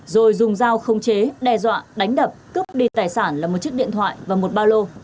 rồi dùng dao không chế đe dọa đánh đập cướp đi tài sản là một chiếc điện thoại và một ba lô